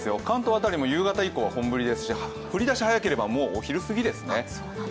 関東辺りも夕方ごろは本降りですし降り出し早ければ、もうお昼過ぎですね。